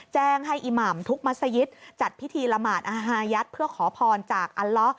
แจ้งให้อิหม่ำทุกมัศยิตจัดพิธีละหมาดอาฮายัดเพื่อขอพรจากอัลล้อ